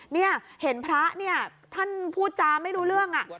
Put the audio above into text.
นี่เห็นพระเนี่ยท่านพูดจาไม่รู้เรื่อง